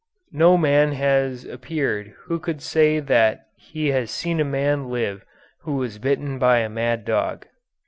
No man has appeared who could say that he has seen a man live who was bitten by a mad dog.'